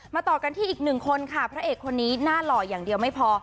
ต่อกันที่อีกหนึ่งคนค่ะพระเอกคนนี้หน้าหล่ออย่างเดียวไม่พอ